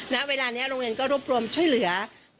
ณเวลานี้โรงเรียนก็รวบรวมช่วยเหลือ